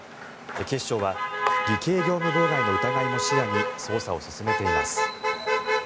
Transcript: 警視庁は偽計業務妨害の疑いも視野に捜査を進めています。